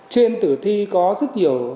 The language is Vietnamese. trên từ thi có rất nhiều